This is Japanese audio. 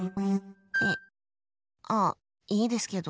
えっ、ああ、いいですけど。